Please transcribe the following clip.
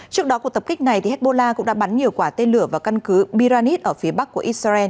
trước đó cuộc tập kích này hebbola cũng đã bắn nhiều quả tên lửa vào căn cứ biranis ở phía bắc của israel